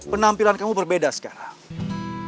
penampilan kamu berbeda sekarang